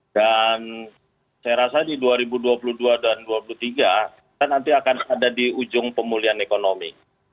dan saya rasa di dua ribu dua puluh dua dan dua ribu dua puluh tiga kita nanti akan ada di ujung pemulihan ekonomi